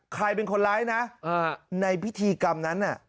ใครเป็นคนร้ายนะในพิธีกรรมนั้น